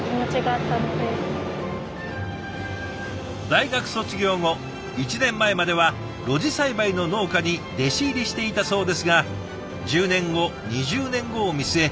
大学卒業後１年前までは露地栽培の農家に弟子入りしていたそうですが１０年後２０年後を見据え